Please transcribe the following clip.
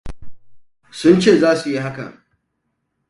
Sun ce za su yi hakan.